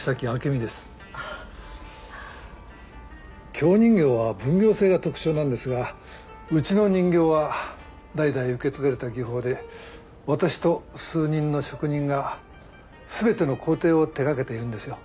京人形は分業制が特徴なんですがうちの人形は代々受け継がれた技法で私と数人の職人が全ての工程を手掛けているんですよ。